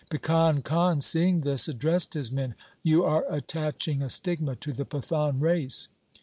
Bhikan Khan, seeing this, addressed his men :' How now, jackals, you are attaching a stigma to the Pathan race.